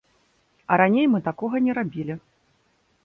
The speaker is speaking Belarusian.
Раней мы такога не рабілі.